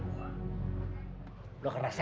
kamu akan merasakan akibatnya